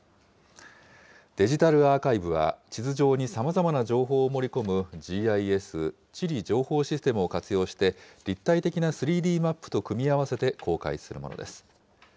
デジタルアーカイブは、地図上にさまざまな情報を盛り込むＧＩＳ・地理情報システムを活用して、立体的な３Ｄマップと組み合わせて公開するものです。